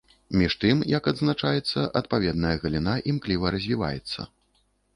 Між тым, як адзначаецца, адпаведная галіна імкліва развіваецца.